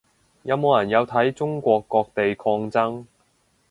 有冇人有睇中國各地抗爭